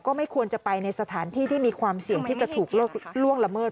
ไม่ควรจะไปในสถานที่ที่มีความเสี่ยงที่จะถูกล่วงละเมิด